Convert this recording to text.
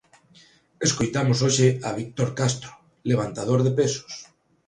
Escoitamos hoxe a Víctor Castro, levantador de pesos.